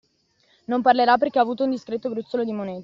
Non parlerà perché ha avuto un discreto gruzzolo di monete.